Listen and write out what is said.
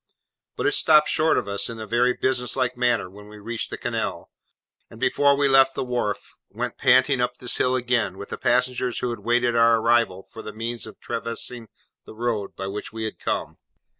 But it stopped short of us in a very business like manner when we reached the canal: and, before we left the wharf, went panting up this hill again, with the passengers who had waited our arrival for the means of traversing the road by which we had come.